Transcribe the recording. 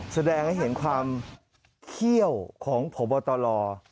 แสดงให้เห็นความเขี้ยวของผ่วงบ่าตะลอ